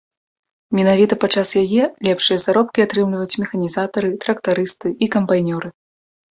Менавіта падчас яе лепшыя заробкі атрымліваюць механізатары, трактарысты і камбайнёры.